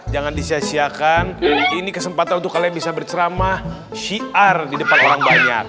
jangan disiasiakan ini kesempatan untuk kalian bisa berceramah syiar di depan orang banyak